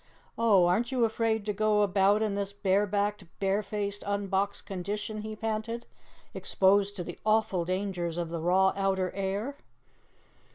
"Oh, aren't you afraid to go about in this barebacked, barefaced, unboxed condition?" he panted, "exposed to the awful dangers of the raw outer air?"